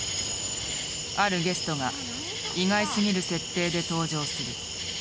あるゲストが意外すぎる設定で登場する。